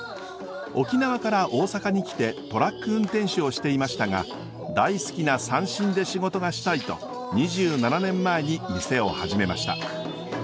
沖縄から大阪に来てトラック運転手をしていましたが大好きな三線で仕事がしたいと２７年前に店を始めました。